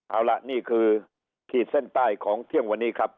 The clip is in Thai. เอาล่ะนี่คือขีดเส้นใต้ของเที่ยงวันนี้ครับ